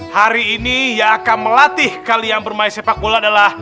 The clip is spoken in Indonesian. hari ini yang akan melatih kalian bermain sepak bola adalah